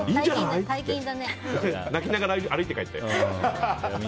泣きながら歩いて帰ったよ。